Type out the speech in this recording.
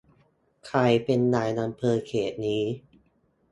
ใครเป็นนายอำเภอเขตนี้